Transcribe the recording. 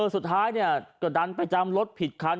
สุดท้ายก็ดันไปจำรถผิดคัน